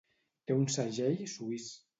Té un segell suís.